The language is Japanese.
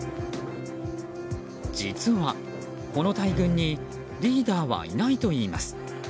実は、この大群にリーダーはいないといいます。